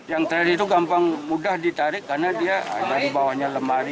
yang terakhir itu gampang mudah ditarik karena dia dari bawahnya lemari